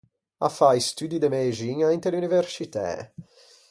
A fa i studdi de mëxiña inte l’universcitæ.